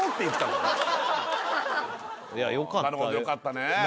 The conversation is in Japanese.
いやよかったよ